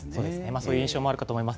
そういう印象もあるかと思います。